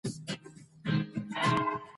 جامي مینځونکي پر کالیو د چای داغ لیدلی دی.